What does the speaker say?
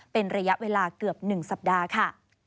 เป็นระยะเวลาเกือบ๑สัปดาห์ค่ะ